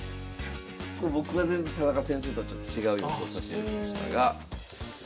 僕は田中先生とはちょっと違う予想さしていただきましたが。